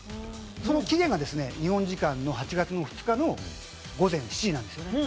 その期限が日本時間の８月の２日、午前７時なんです。